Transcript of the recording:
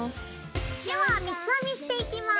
では三つ編みしていきます。